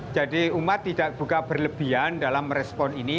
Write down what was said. jadi umat tidak buka berlebihan dalam merespon ini